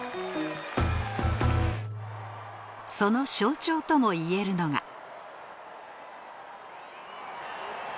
その象徴ともいえるのが。